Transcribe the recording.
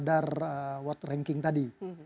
dengan radar world ranking tadi